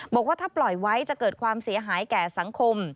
บอกว่าถ้าปล่อยไว้จะเกิดความเสียหายแก่สังคม